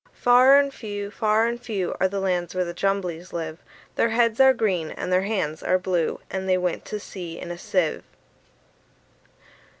Far and few, far and few, Are the lands where the Jumblies live: Their heads are green, and their hands are blue; And they went to sea in a sieve.